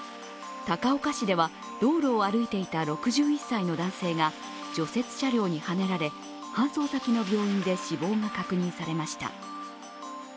高岡市では道路を歩いていた６１歳の男性が除雪車両にはねられ、搬送先の病院で死亡が確認されました。